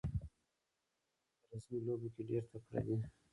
افغانان په رزمي لوبو کې ډېر تکړه دي.